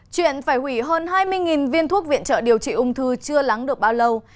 chuyện phải hủy hơn hai mươi viên thuốc viện trợ điều trị ung thư chưa lắng được bao lâu